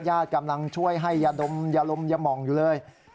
ญาติกำลังช่วยให้อย่าดมอย่าลมอย่ามองอยู่เลย